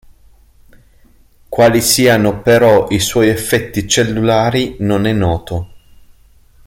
Quali siano però i suoi effetti cellulari non è noto.